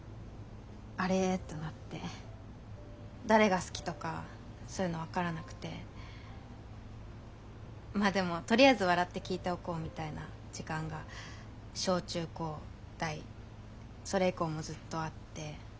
誰が好きとかそういうの分からなくてまあでもとりあえず笑って聞いておこうみたいな時間が小中高大それ以降もずっとあって。